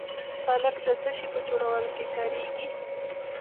تالک د څه شي په جوړولو کې کاریږي؟